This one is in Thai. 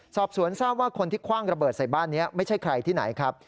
สอบสวนทราบว่าคนที่คว่างระเบิดใส่บ้านนี้ไม่ใช่ใครที่ไหนครับ